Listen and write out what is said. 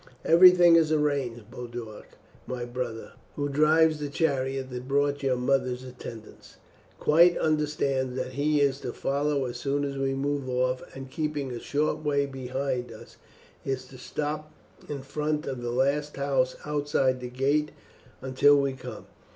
"Everything is arranged," Boduoc said. "My brother, who drives the chariot that brought your mother's attendants, quite understands that he is to follow as soon as we move off, and keeping a short way behind us is to stop in front of the last house outside the gate until we come.